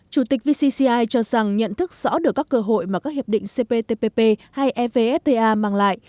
chủ tịch vcci cho rằng nhận thức rõ được các cơ hội mà các hiệp định cptpp hay evfta mang lại